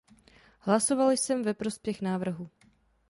Hlasoval jsem ve prospěch návrhu.